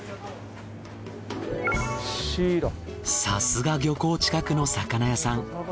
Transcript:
さすが漁港近くの魚屋さん。